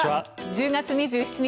１０月２７日、